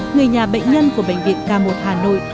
người nhà bệnh nhân của bệnh viện k một hà nội